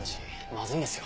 まずいですよ。